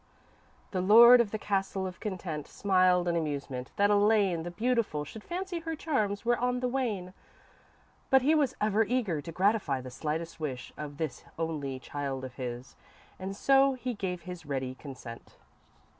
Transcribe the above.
"_ _The Lord of the Castle of Content smiled in amusement, that Elaine, the beautiful, should fancy her charms were on the wane. But he was ever eager to gratify the slightest wish of this only child of his, and so he gave his ready consent.